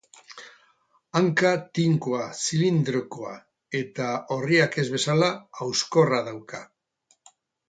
Hanka tinkoa, zilindrikoa eta, orriak ez bezala, hauskorra dauka.